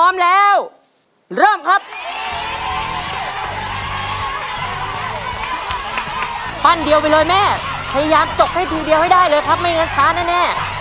แม่พยายามจกให้ทีเดียวให้ได้เลยครับไม่งั้นช้าแน่แน่